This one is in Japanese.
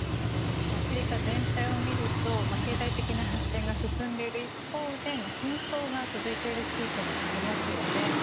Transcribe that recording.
アフリカ全体を見ると経済的な発展が進んでいる一方で紛争が続いている地域もありますよね。